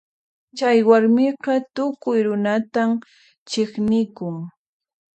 Chay warmiqa tukuy runatan chiqnikun.